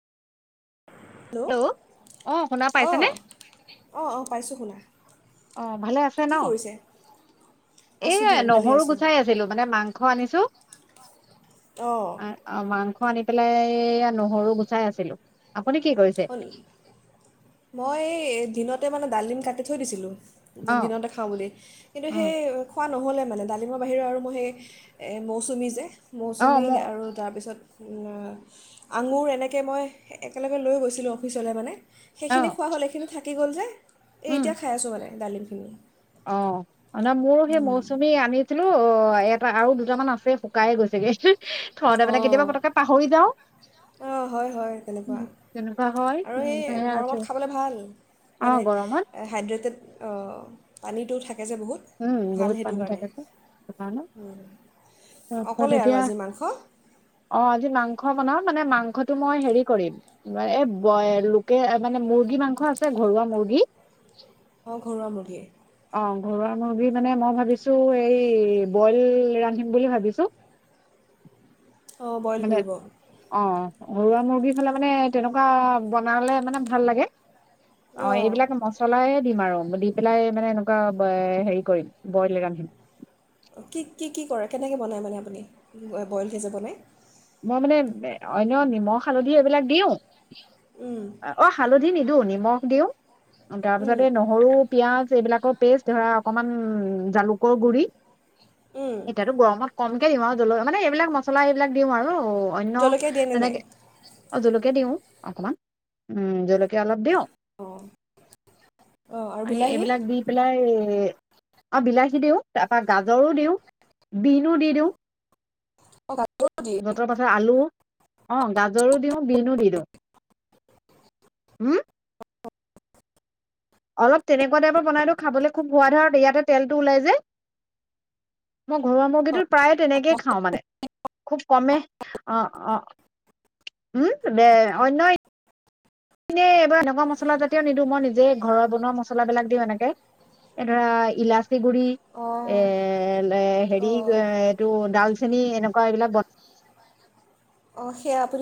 Hello, অ শুনা অ, পাইছেনে? অ, অ, পাইছো শুনা। অ', ভালে আছে ন? কি কৰিছে এই আছোঁ দিয়ক ভালে নহৰু আছোঁ গুচাই আছিলো মানে মাংস আনিছো। অঁ এ, অ', মাং আনি পেলাই নহৰু গুচাই আছিলো। আপুনি কি কৰিছে? মই এ দিনত তাতে মানে ডালডিম কাটি থৈ দিছিলো। অ দিনতে খাওঁ বুলি, কিন্তু অ সেই খোৱা নহ'লে মানে ডালিমৰ বাহিৰৰে আৰু মই সেই মৌচুমী যে? অ মৌচুমী, মোৰ আৰু তাৰপিছত অ ', আঙুৰ এনেকে মই একেলগে লৈ গৈছোঁ। আছিলোঁ অফিচলৈ মানে। অ সেইখিনি খোৱা হ'ল, সেখিনি থাকে। গ'ল যে এই, উম এতিয়া খাই আছো মানে। ডালিমখিনি। অ', ন মোৰ সেই মৌচুমী আনিছিলো হয় আৰু এটা দুটামান আছে শুকাইে গৈছেগে। থতে মানে কেতিয়াবা পতকে পাহৰি যাওঁ। অ', হয়, হয়, তেনেকুৱা, উম তেনেকুৱা হয় আৰু এ উম সেয়া আছে গৰমত খাবলৈ ভাল অ মানে গৰমত হাইড্ৰেটেড অ পানীটো থাকে যে বহুত উম', ভাল বহুত সেইটো পানী কাৰণে থাকে যে সেইকাৰণে, তাৰপিছত অকলেই আৰু এতিয়া, আজি মাংস অঁ অ', আজি মাং। মাংস বনাও, মানে মাংসটো মই হেৰি কৰিম এই লোকে মানে মুৰ্গী মাংস আছে ঘৰুৱা মুৰ্গী অ', ঘৰুৱা মুৰ্গী। অ', ঘৰুৱা। মুৰ্গী মানে মই ভাবিছো এই বইল ৰান্ধিম বুলি ভাবিছো। অ বইল মানে কৰিব? অ ঘৰুৱা মুৰ্গীৰ হলে মানে, তেনেকুৱা বনালে মানে ভাল লাগে। অ', এইবিলাক মচলাই দিম আৰু, দি পেলাই মানে এনেকুৱা হেৰি কৰিম, বইল ৰান্ধিম। কি কি? কি কৰে? কেনেকৈ বনায় মানে আপুনি বইল কে যে, বনে? মই মানে অন্য নিমখ হালধি এইবিলাক দিওঁ উম, অ', হালধ ই নিদিও, নিমখ দিওঁ। তাৰ উম, পিছতে নহৰু, পিয়াজ, এইবিলাক। পেষ্ট ধৰা অকমান উ, জালুকৰ গুৰি উম। এতিয়াতো গৰমত কমকে দিওঁ আৰু জল এইবিলাক মছলা এইবিলাক দিম আৰু অন্য জলকীয়া দিয়ে নে নাই? তেনেকে অ', জলকীয়া দিওঁ অকমান, উম জলকীয়া অলপ দিওঁ। অঁ অঁ আৰু আই বিলাহী এইবিলাক দি পেলাই এ বিলাহী দিওঁ, তাৰ পৰা, গাজৰো দিওঁ, বিনো দি দিওঁ। অঁ গাজৰো দিয়ে জতৰ পাচত, আলু অ', গাজৰো দিওঁ বিনো দি দিওঁ। হম? অলপ তেনেকুৱা টাইপৰ বনাইটো খাবলৈ খুব সোৱাদ হয়, ইয়াতে তেলটো ওলাই যে। মই ঘৰুৱা মুৰ্গীটো প্ৰায়ে তেনেকেই খাওঁ মানে, খুব কমে, অ', অ', উম, দে অন্য এনেই এবাৰ এনেকুৱা মছলাজাতীয় নিদো, মই নিজে ঘৰত বনোৱা মছলাবিলাক দিওঁ এনেকে, এ ধৰা ইলাচ এ, গুৰি অঁ এ, অঁ হেৰি চেনী এনেকুৱা এইবিলাক বন অ', সেয়া আপুনি